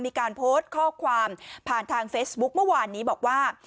มีการโพสต์ข้อความผ่านทางเฟซบุ๊คเมื่อวานนี้บอกว่า